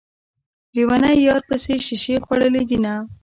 ليونی يار پسې شيشې خوړلي دينه